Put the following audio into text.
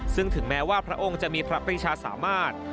ซึ่งถึงแม้ว่าพระองค์จะมีพระปริชาสามารถ